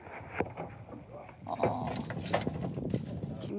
ああ。